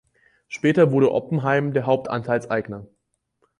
Später wurde Oppenheim der Hauptanteilseigner.